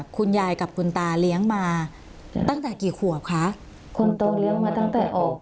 คุณยายกับคุณตาเลี้ยงมาตั้งแต่กี่ขวบคะคนโตเลี้ยงมาตั้งแต่ออก